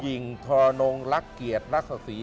หญิงทรนงรักเกียรติรักษศรี